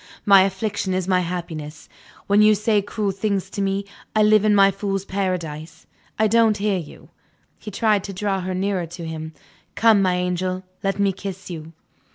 My affliction is my happiness, when you say cruel things to me. I live in my fool's paradise; I don't hear you." He tried to draw her nearer to him. "Come, my angel; let me kiss you."